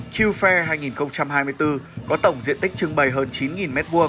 q fair hai nghìn hai mươi bốn có tổng diện tích trưng bày hơn chín m hai